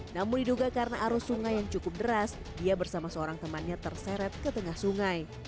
namun diduga karena arus sungai yang cukup deras dia bersama seorang temannya terseret ke tengah sungai